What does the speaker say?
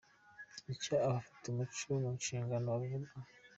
Icyo abafite umuco mu nshingano babivugaho .